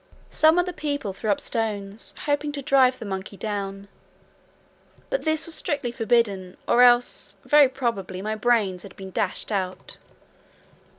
Some of the people threw up stones, hoping to drive the monkey down; but this was strictly forbidden, or else, very probably, my brains had been dashed out.